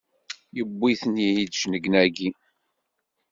Yewwi-ten-id cennegnagi!